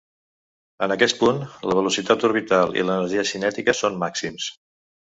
En aquest punt, la velocitat orbital i l'energia cinètica són màxims.